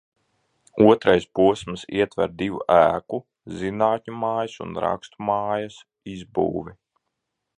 Otrais posms ietver divu ēku – Zinātņu mājas un Rakstu mājas – izbūvi.